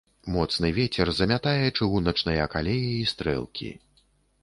Моцны вецер замятае чыгуначныя калеі і стрэлкі.